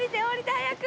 早く！